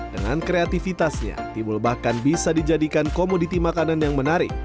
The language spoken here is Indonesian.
dengan kreativitasnya tibul bahkan bisa dijadikan komoditi makanan yang menarik